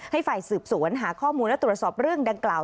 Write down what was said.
ให้ฝ่ายสืบสวนหาข้อมูลและตรวจสอบเรื่องดังกล่าว